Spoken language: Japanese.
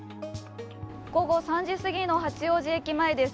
午後３時すぎの八王子駅前です。